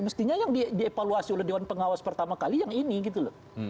mestinya yang dievaluasi oleh dewan pengawas pertama kali yang ini gitu loh